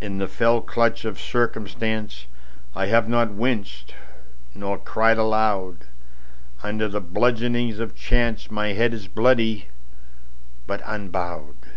In the fell clutch of circumstanceI have not winced nor cried aloud. Under the bludgeonings of chanceMy head is bloody, but unbowed.